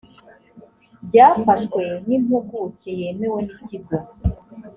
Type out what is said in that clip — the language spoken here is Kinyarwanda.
byafashwe n’impuguke yemewe n’ikigo